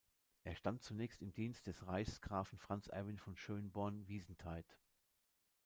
Er stand zunächst im Dienst des Reichsgrafen Franz Erwin von Schönborn-Wiesentheid.